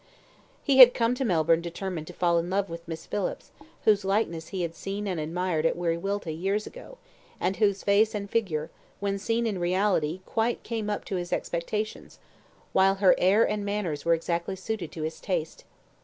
He had come to Melbourne determined to fall in love with Miss Phillips, whose likeness he had seen and admired at Wiriwilta years ago, and whose face and figure, when seen in reality quite came up to his expectations, while her air and manners were exactly suited to his taste.